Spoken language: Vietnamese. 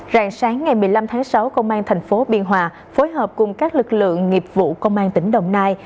ràng sáng ngày một mươi năm tháng sáu công an tp biên hòa phối hợp cùng các lực lượng nghiệp vụ công an tỉnh đồng nai